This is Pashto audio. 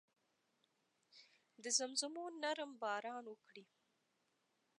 د زمزمو نرم باران وکړي